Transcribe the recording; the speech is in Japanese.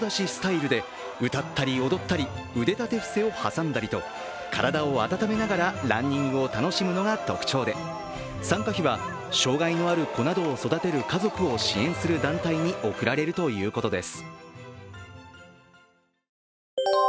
ルックで歌ったり踊ったり、腕立て伏せを挟んだりと、体を温めながらランニングを楽しむのが特徴で、参加費は、障害のある子などを育てる家族を支援する団体に贈られるということです。